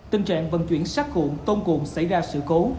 tình trạng vận chuyển xác khuộn tôm cuộn xảy ra sự cố